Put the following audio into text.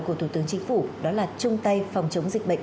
của thủ tướng chính phủ đó là trung tây phòng chống dịch bệnh